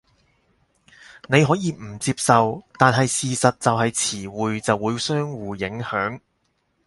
你可以唔接受，但係事實就係詞彙就會相互影響